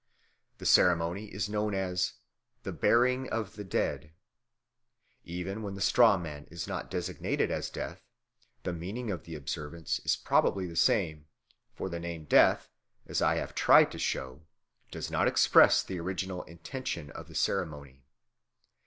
The ceremony is known as the "burying of Death." Even when the straw man is not designated as Death, the meaning of the observance is probably the same; for the name Death, as I have tried to show, does not express the original intention of the ceremony.